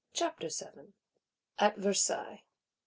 Chapter 1.7.VII. At Versailles.